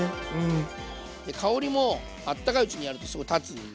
香りも温かいうちにやるとすごく立つんで。